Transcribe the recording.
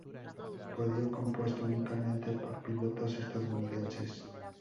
Podio compuesto únicamente por pilotos estadounidenses.